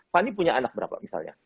pak ini punya anak berapa misalnya